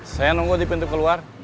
saya nunggu di pintu keluar